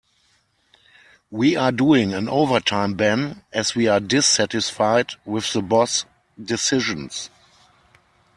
We are doing an overtime ban as we are dissatisfied with the boss' decisions.